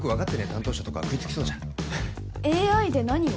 担当者とか食いつきそうじゃんＡＩで何を？